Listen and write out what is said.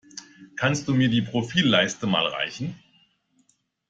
Kannst du mir die Profilleiste mal reichen?